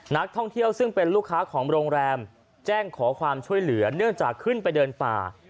นักท่องเที่ยวซึ่งเป็นลูกค้าของโรงแรมแจ้งขอความช่วยเหลือเนื่องจากขึ้นไปเดินป่า